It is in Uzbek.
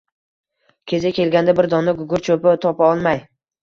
kezi kelganda bir dona gugurt cho‘pi topa olmay